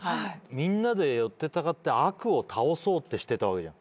みんなで寄ってたかって悪を倒そうってしてたわけじゃん。